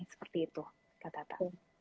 seperti itu kak tata